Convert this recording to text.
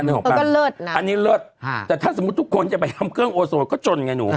มันก็เลิศนะอันนี้เลิศแต่ถ้าสมมุติทุกคนจะไปทำเครื่องโอโซก็จนไงหนู